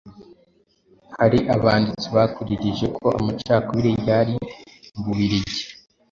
Hari abanditsi bakuririje ko amacakubiri yari mu Bubiligi